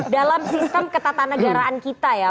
dalam sistem ketatanegaraan kita ya